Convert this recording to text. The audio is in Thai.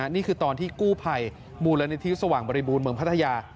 นี่คือตอนที่กู้ภัยมูลนิธิสว่างบริบูรณเมืองพัทยา